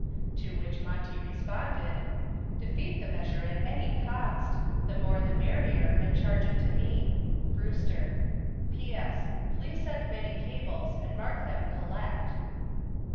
To which Monty responded: Defeat the measure at any cost. The more the merrier, and charge it to me. BREWSTER. P.S. Please send many cables and mark them collect.